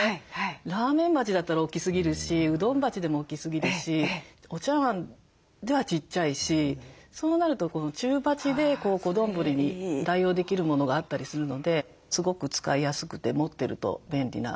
ラーメン鉢だったら大きすぎるしうどん鉢でも大きすぎるしお茶わんではちっちゃいしそうなるとこの中鉢で小丼に代用できるものがあったりするのですごく使いやすくて持ってると便利な。